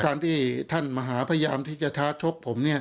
การที่ท่านมหาพยายามที่จะท้าชกผม